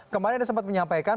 kemarin ada sempat menyampaikan